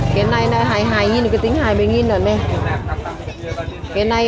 cái này là hai mươi đồng cái này là hai mươi đồng